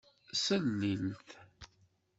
Salilt-t.